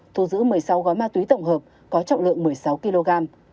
thu giữ một mươi sáu gói ma túy tổng hợp có trọng lượng một mươi sáu kg